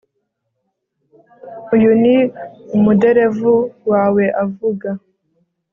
Uyu ni umuderevu wawe avuga